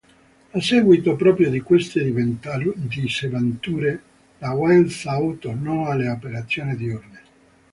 A seguito proprio di queste disavventure, la Wilde Sau tornò alle operazioni diurne.